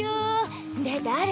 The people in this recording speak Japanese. で誰？